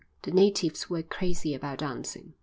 The natives were crazy about dancing."